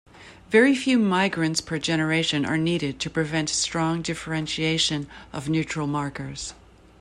Very few migrants per generation are needed to prevent strong differentiation of neutral markers.